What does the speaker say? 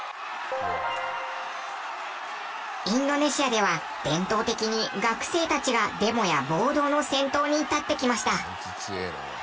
インドネシアでは伝統的に学生たちがデモや暴動の先頭に立ってきました。